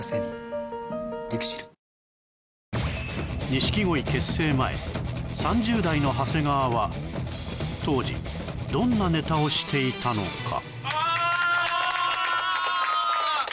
錦鯉結成前３０代の長谷川は当時どんなネタをしていたのか？